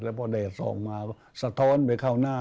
พอแดดส่องมาสะท้อนไปเข้าหน้า